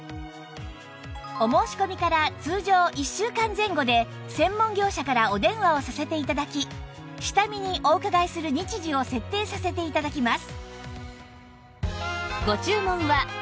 お申し込みから通常１週間前後で専門業者からお電話をさせて頂き下見にお伺いする日時を設定させて頂きます